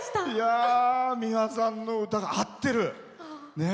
ｍｉｗａさんの歌が合ってる。